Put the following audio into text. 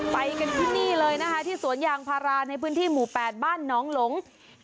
ไปกันที่นี่เลยนะคะที่สวนยางพาราในพื้นที่หมู่๘บ้านน้องหลง